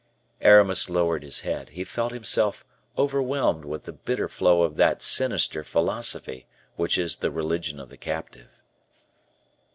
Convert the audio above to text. Aramis lowered his head; he felt himself overwhelmed with the bitter flow of that sinister philosophy which is the religion of the captive.